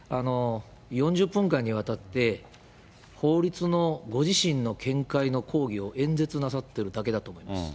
４０分間にわたって、法律のご自身の見解の講義を演説なさってるだけだと思います。